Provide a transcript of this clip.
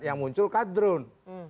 yang muncul kadrun